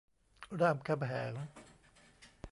รามคำแหง